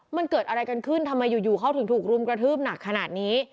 มันเกิดอะไรกันขึ้นทำไมอยู่เขาถึงถูกรุมกระทืบหนักขนาดนี้